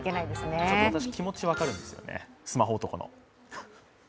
私、ちょっと気持ちが分かるんですよね、スマホ男の。